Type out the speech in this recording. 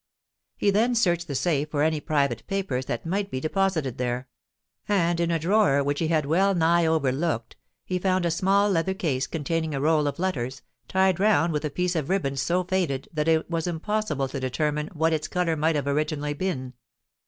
He then searched the safe for any private papers that might be deposited there; and in a drawer which he had well nigh overlooked, he found a small leather case containing a roll of letters, tied round with a piece of riband so faded that it was impossible to determine what its colour might have originally been.